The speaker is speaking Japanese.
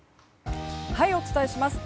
お伝えします。